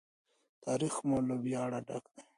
تاریخ مو له ویاړه ډک دی.